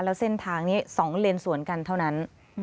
แล้วเส้นทางนี้๒เลนสวนกันเท่านั้น